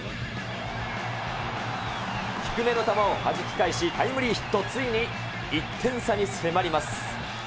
低めの球をはじき返し、タイムリーヒット、ついに１点差に迫ります。